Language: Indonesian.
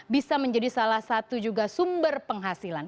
bisa menjadi salah satu juga sumber penghasilan